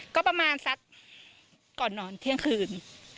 ก็ประมาณสักก่อนนอนเที่ยงคืน